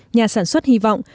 nhà sản xuất hy vọng